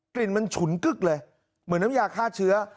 ลิ่นมันฉุนกึ๊กเลยเหมือนน้ำยาฆ่าเชื้อ